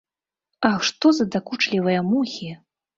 Ах, што за дакучлівыя мухі!